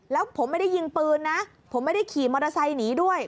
แล้วผมไม่ได้ยิงปืนนะผมไม่ได้ขี่มอเตอร์ไซค์หนีด้วย